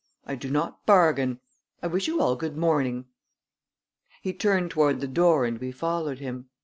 I do not bargain. I wish you all good morning." He turned toward the door and we followed him.